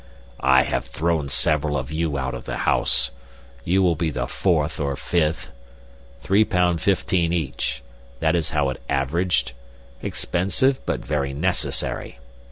"I have thrown several of you out of the house. You will be the fourth or fifth. Three pound fifteen each that is how it averaged. Expensive, but very necessary.